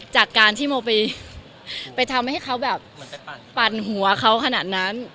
จากการที่โมไปทำให้เขาแบบปั่นหัวเขาขนาดนั้น